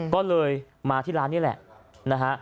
ก็เลยมาที่ร้านนี่แหละนะฮะ